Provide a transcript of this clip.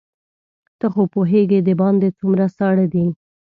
ته خو پوهېږې دباندې څومره ساړه دي.